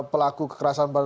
pelaku kekerasan pada